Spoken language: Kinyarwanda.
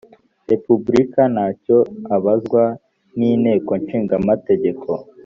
repubulika nta cyo abazwa n inteko ishinga amategeko